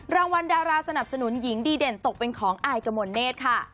รางวัลดาราสนับสนุนหญิงดีเด่นตกเป็นของอายกมลเนธค่ะ